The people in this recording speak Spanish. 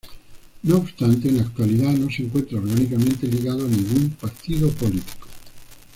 No obstante, en la actualidad no se encuentra orgánicamente ligado a ningún partido político.